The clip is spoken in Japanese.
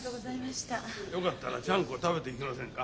よかったらちゃんこ食べていきませんか。